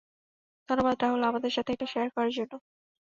ধন্যবাদ রাহুল আমাদের সাথে এটা শেয়ার করার জন্য।